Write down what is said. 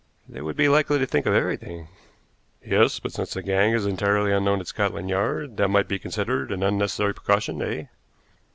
"They would be likely to think of everything." "Yes; but since the gang is entirely unknown at Scotland Yard, that might be considered an unnecessary precaution, eh?"